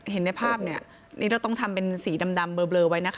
เห็นในภาพเนี่ยนี่เราต้องทำเป็นสีดำเบลอไว้นะคะ